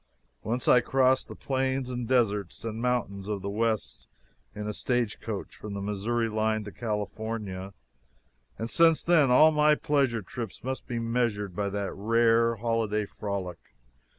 Once I crossed the plains and deserts and mountains of the West in a stagecoach, from the Missouri line to California, and since then all my pleasure trips must be measured to that rare holiday frolic.